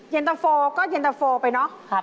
เย็นตะโฟก็เย็นตะโฟไปเนาะ